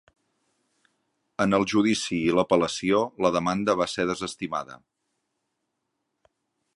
En el judici i l'apel·lació, la demanda va ser desestimada.